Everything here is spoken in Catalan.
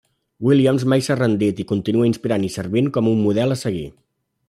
Williams mai s'ha rendit i continua inspirant i servint com un model a seguir.